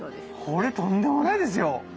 これとんでもないですよ。